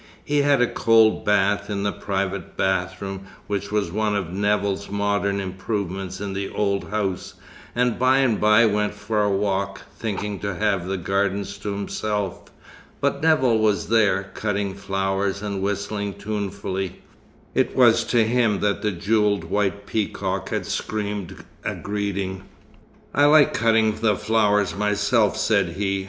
He had a cold bath in the private bathroom, which was one of Nevill's modern improvements in the old house, and by and by went for a walk, thinking to have the gardens to himself. But Nevill was there, cutting flowers and whistling tunefully. It was to him that the jewelled white peacock had screamed a greeting. "I like cutting the flowers myself," said he.